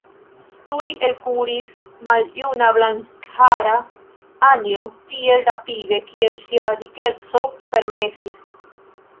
Tuj elkuris maljuna, blankhara Anjo, tiel rapide, kiel ŝia dikeco permesis.